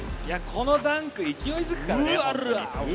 このダンク勢い付くからね。